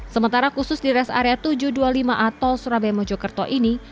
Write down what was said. sementara khusus di res area tujuh ratus dua puluh lima a tol surabaya mojokerto ini